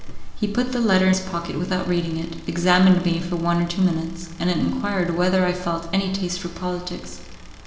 He put the letter in his pocket without reading it, examined me for one or two minutes, and enquired whether I felt any taste for politics.